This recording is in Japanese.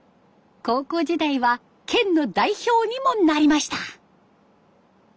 高校時代は県の代表にもなりました。